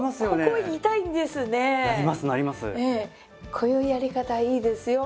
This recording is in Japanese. こういうやり方いいですよ。